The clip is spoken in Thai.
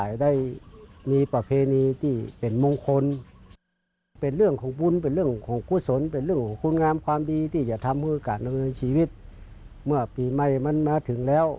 อาจจะเป็นแห่งกำหนดเพียงอื่น